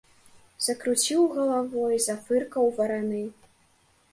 Закруціў галавой, зафыркаў вараны.